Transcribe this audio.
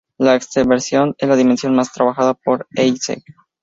La extraversión es la dimensión más trabajada por Eysenck.